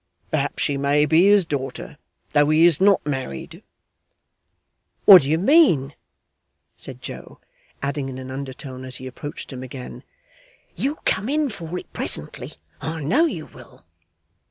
Perhaps she may be his daughter, though he is not married.' 'What do you mean?' said Joe, adding in an undertone as he approached him again, 'You'll come in for it presently, I know you will!